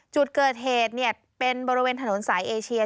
จุดเกิดเหตุเป็นบริเวณถนนสายเอเชีย